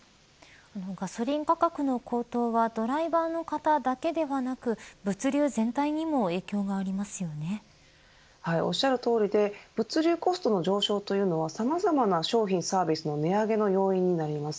ガソリン価格の高騰はドライバーの方だけではなく物流全体にもおっしゃるとおりで物流コストの上昇というのはさまざまな商品、サービスの値上げの要因になります。